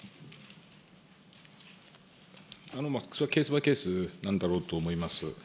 ケースバイケースなんだろうと思います。